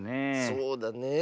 そうだねえ。